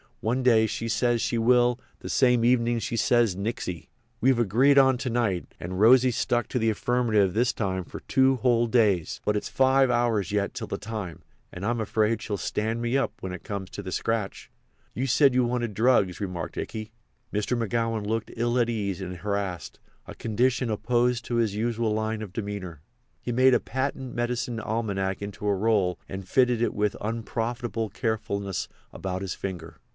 One day she says she will; the same evenin' she says nixy. We've agreed on to night, and Rosy's stuck to the affirmative this time for two whole days. But it's five hours yet till the time, and I'm afraid she'll stand me up when it comes to the scratch." "You said you wanted drugs," remarked Ikey. Mr. McGowan looked ill at ease and harassed—a condition opposed to his usual line of demeanour. He made a patent medicine almanac into a roll and fitted it with unprofitable carefulness about his finger.